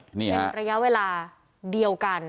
เป็นระยะเวลาเดียวกัน